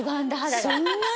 そんなに？